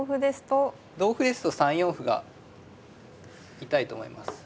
同歩ですと３四歩が痛いと思います。